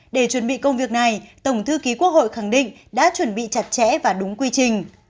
để chuẩn bị công việc này tổng thư ký quốc hội khẳng định đã chuẩn bị chặt chẽ và đúng quy trình